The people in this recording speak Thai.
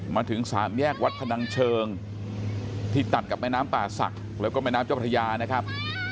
มาถึงสามแยกวัดพนังเชิงที่ตัดกับแม่น้ำป่าศักดิ์แล้วก็แม่น้ำเจ้าพระยานะครับ